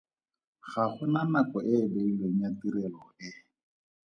Ga go na nako e e beilweng ya tirelo e.